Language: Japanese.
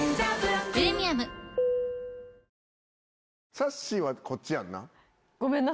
さっしーはこっちやんな？